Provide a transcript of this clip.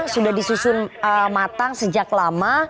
sudah disusun matang sejak lama